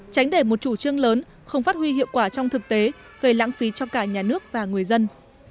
tránh để một chủ trương lớn không phát huy hiệu quả trong thực tế gây lãng phí cho cả nhà nước và người dân